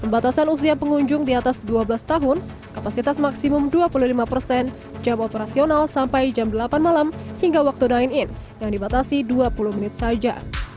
batasan usia pengunjung di atas dua belas tahun kapasitas maksimum dua puluh lima persen jam operasional sampai jam delapan malam hingga waktu dine in yang dibatasi dua puluh menit saja